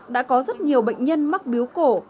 đã có rất nhiều bệnh nhân mắc biếu cổ